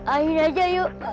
air aja yuk